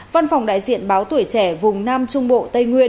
văn phòng đại diện báo tuổi trẻ vùng nam trung bộ tây nguyên